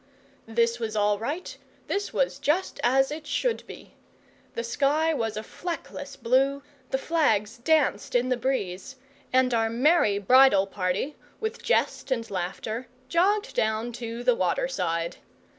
This was all right; this was just as it should be. The sky was a fleckless blue, the flags danced in the breeze, and our merry bridal party, with jest and laughter, jogged down to the water side.